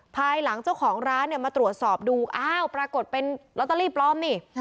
ภายหลังเจ้าของร้านเนี่ยมาตรวจสอบดูอ้าวปรากฏเป็นลอตเตอรี่ปลอมนี่